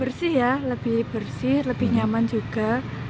bersih ya lebih bersih lebih nyaman juga